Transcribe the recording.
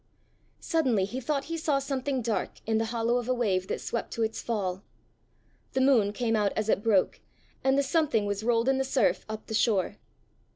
Suddenly he thought he saw something dark in the hollow of a wave that swept to its fall. The moon came out as it broke, and the something was rolled in the surf up the shore.